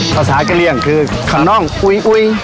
ภาษากะเรียงคือขน้องอุ๊ย